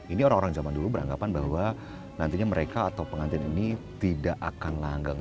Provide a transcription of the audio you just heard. ini orang orang zaman dulu beranggapan bahwa nantinya mereka atau pengantin ini tidak akan langgang